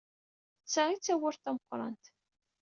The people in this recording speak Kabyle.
D ta ay d tawwurt tameqrant.